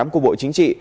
của bộ chính trị